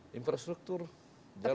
tapi kan infrastruktur nanti akan berhasil